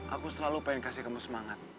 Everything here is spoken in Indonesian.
aku selalu pengen kasih kamu semangat